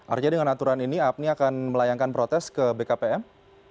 artinya dengan aturan ini apni akan melayangkan protes ke bkpm